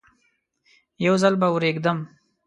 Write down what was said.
یو ځل به ورېږدم.